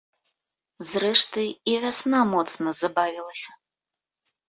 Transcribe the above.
Зрэшты, і вясна моцна забавілася.